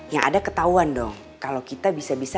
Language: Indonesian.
yang ada ketahuan dong kalau kita bisa bisa